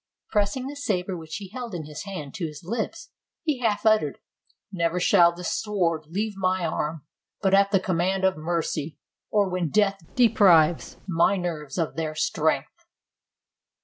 Pressing the saber which he held in his hand to his lips, he half uttered, "Never shall this sword leave my arm but at the command of mercy, or when death deprives my nerves of their strength."